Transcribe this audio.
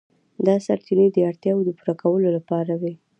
دا سرچینې د اړتیاوو د پوره کولو لپاره وې.